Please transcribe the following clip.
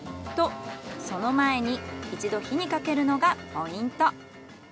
とその前に一度火にかけるのがポイント。